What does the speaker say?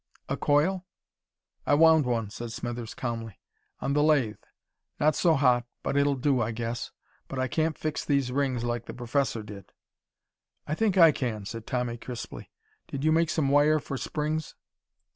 "A coil?" "I wound one," said Smithers calmly. "On the lathe. Not so hot, but it'll do, I guess. But I can't fix these rings like the Professor did." "I think I can," said Tommy crisply. "Did you make some wire for springs?"